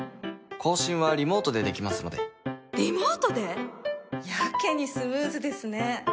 更新はリモートでできますのでリモートで！？やけにスムーズですね！？